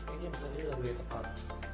ini lagunya tepat